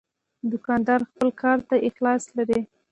دوکاندار خپل کار ته اخلاص لري.